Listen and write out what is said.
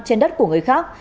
trên đất của người khác